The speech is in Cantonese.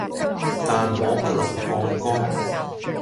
但我不能放歌